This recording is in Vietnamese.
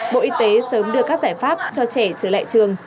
bộ y tế sớm đưa các giải pháp cho trẻ trở lại trường